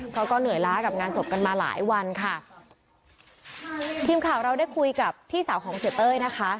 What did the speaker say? เพราะก็เหนื่อยล้ากับงานศพกันมาหลายวันค่ะทีมข่าวเราได้คุยกับพี่สาวของเสียเต้ยนะคะ